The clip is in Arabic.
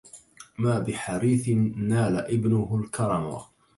ما بحريث نال ابنه الكرما